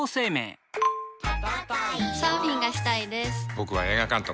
僕は映画監督。